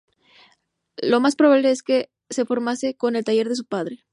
Lo más probable es que se formase en el taller de su padre.